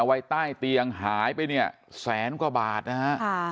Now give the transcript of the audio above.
ไว้ใต้เตียงหายไปเนี่ยแสนกว่าบาทนะฮะ